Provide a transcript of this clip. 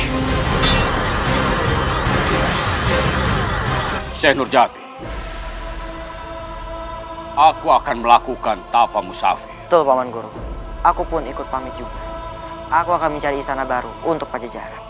hai seh nurjab aku akan melakukan tapamu safi tolpaman guru aku pun ikut pamit juga aku akan mencari istana baru untuk pajejaran